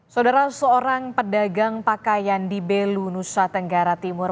saudara seorang pedagang pakaian di belu nusa tenggara timur